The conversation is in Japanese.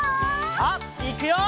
さあいくよ！